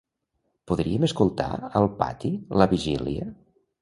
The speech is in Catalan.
Podríem escoltar al pati "La vigília"?